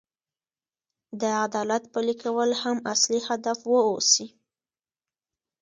د عدالت پلي کول هم اصلي هدف واوسي.